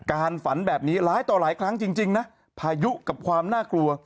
ฝันแบบนี้หลายต่อหลายครั้งจริงนะพายุกับความน่ากลัว